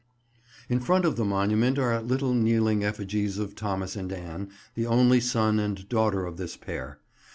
In front of the monument are little kneeling effigies of Thomas and Anne, the only son and daughter of this pair.